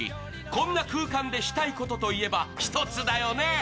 こんな空間でしたいことといえば一つだよね。